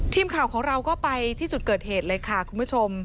ทีมข่าวของเราก็ไปที่จุดเกิดเหตุเลยค่ะคุณผู้ชม